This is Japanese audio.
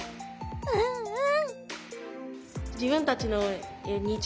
うんうん。